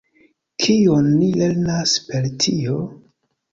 Kion ni lernas per tio?